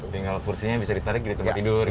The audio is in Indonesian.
tinggal kursinya bisa ditarik ke tempat tidur gitu